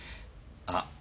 あっ。